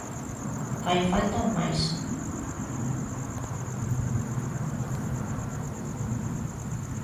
Fai falta un máis.